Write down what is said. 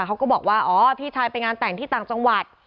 เขาก็บอกว่าอ๋อพี่ชายไปงานแต่งที่ต่างจังหวัด